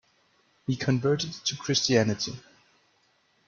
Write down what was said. He converted to Christianity.